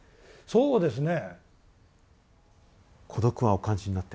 そうですね。